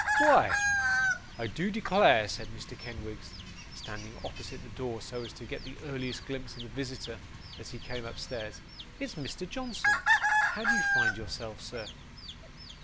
'Why, I do declare,' said Mr. Kenwigs, standing opposite the door so as to get the earliest glimpse of the visitor, as he came upstairs, 'it's Mr. Johnson! How do you find yourself, sir?